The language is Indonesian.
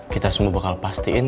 kita semua bakal pastiin